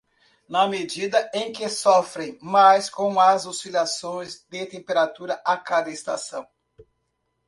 Na medida em que sofrem mais com as oscilações de temperatura a cada estação